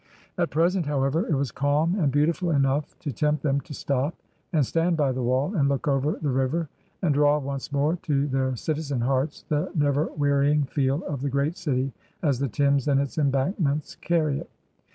At present, however, it was calm and beautiful enough to tempt them to stop and stand by the wall and look over the river, and draw once more to their citizen hearts the never wearying feel of the Great City as the Thames and its embankments carry it.